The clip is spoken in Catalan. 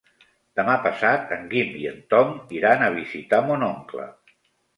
Demà passat en Guim i en Tom iran a visitar mon oncle.